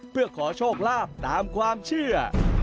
เพื่อขอโชคลาภตามความเชื่อ